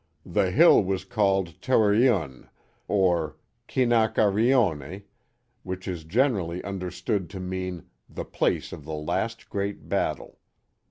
The hill was called Towereune or Ki na qua ri o nc. which is generally understood to mean " The place of the last great battle."